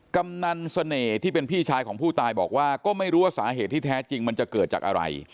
กำนันเสน่ห์ที่เป็นพี่ชายของผู้ตายบอกว่าก็ไม่รู้ว่าสาเหตุที่แท้จริงมันจะเกิดจากอะไร